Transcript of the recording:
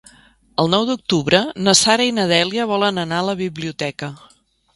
El nou d'octubre na Sara i na Dèlia volen anar a la biblioteca.